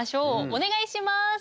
お願いします！